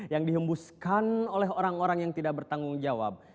yang dihembuskan oleh orang orang yang tidak bertanggung jawab